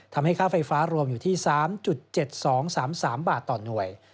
ค่าไฟฟ้ารวมอยู่ที่๓๗๒๓๓บาทต่อหน่วย